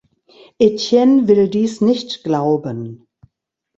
Etienne will dies nicht glauben.